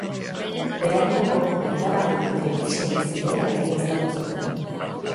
Beranduago aita bat eta bere bi seme zirela egiaztatu zuten.